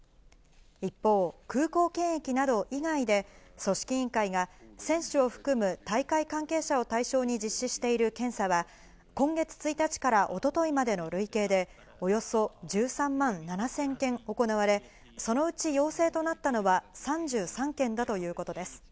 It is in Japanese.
一方、空港検疫など以外で、組織委員会が選手を含む大会関係者を対象に実施している検査は、今月１日からおとといまでの累計で、およそ１３万７０００件行われ、そのうち陽性となったのは３３件だということです。